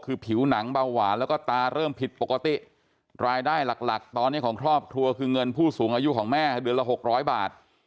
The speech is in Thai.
คือผิวหนังเบาหวานแล้วก็ตาเริ่มผิดปกติรายได้หลักหลักตอนนี้ของครอบครัวคือเงินผู้สูงอายุของแม่เดือนละ๖๐๐บาท